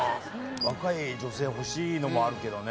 若い女性欲しいのもあるけどね。